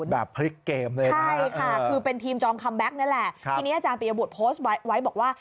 แบบพลิกเกมเลยนะใช่ค่ะคือเป็นทีมจองคัมแก๊กนี่แหละทีนี้อาจารย์ปียบุตรโพสต์ไว้บอกว่า